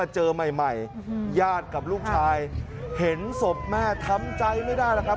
เจอใหม่ใหม่ญาติกับลูกชายเห็นศพแม่ทำใจไม่ได้แล้วครับ